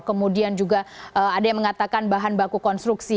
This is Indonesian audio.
kemudian juga ada yang mengatakan bahan baku konstruksi